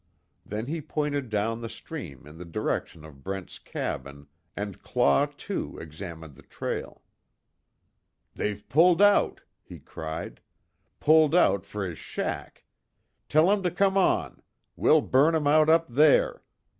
Then he pointed down the stream in the direction of Brent's cabin, and Claw, too, examined the trail. "They've pulled out!" he cried, "Pulled out for his shack! Tell 'em to come on! We'll burn 'em out up there!